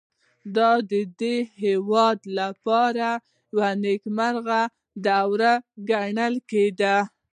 دا د دې هېواد لپاره یوه نېکمرغه دوره ګڼل کېده.